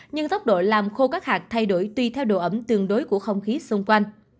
nhưng tốc độ làm khô các hạt thay đổi tùy theo độ ẩm tương đối của không khí xung quanh